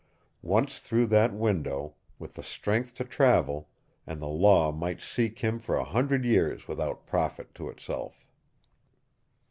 Once through that window, with the strength to travel, and the Law might seek him for a hundred years without profit to itself.